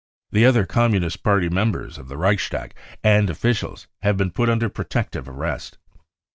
The other Communist Party members of the Reichstag and officials have been put under protective arrest.